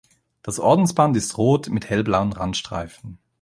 Das Ordensband ist rot mit hellblauen Randstreifen.